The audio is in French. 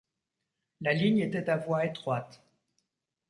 La ligne était à voie étroite.